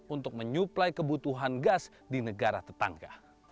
untuk menyuplai kebutuhan gas di negara tetangga